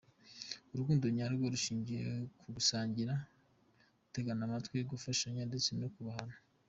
Urukundo nyarwo rushingiye ku gusangira, gutegana amatwi, gufashanya ndetse no kubahana.